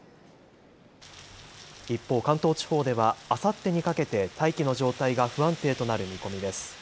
一方、関東地方ではあさってにかけて大気の状態が不安定となる見込みです。